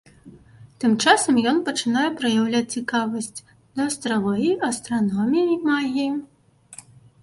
Тым часам ён пачынае праяўляць цікавасць да астралогіі, астраноміі і магіі.